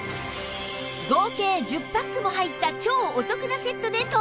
合計１０パックも入った超お得なセットで登場です！